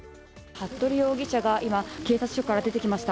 服部容疑者が今、警察署から出てきました。